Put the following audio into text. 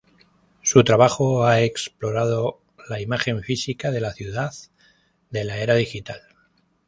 Su trabajo ha explorado la imagen física de la ciudad de la era digital.